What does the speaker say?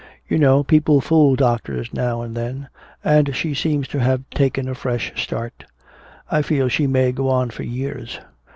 "You know, people fool doctors now and then and she seems to have taken a fresh start. I feel she may go on for years."